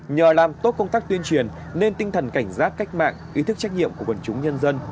nhờ làm tốt công tác tuyên truyền nên tinh thần cảnh giác cách mạng ý thức trách nhiệm của quần chúng nhân dân